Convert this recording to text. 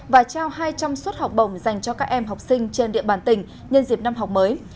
và trao hai trăm linh suất học bổng dành cho các em học sinh trên địa bàn tỉnh nhân dịp năm học mới